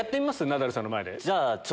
ナダルさんの前で。